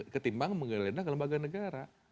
ketimbang menggeledah ke lembaga negara